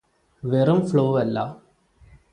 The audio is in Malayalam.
വെറും ഫ്ലൂവല്ല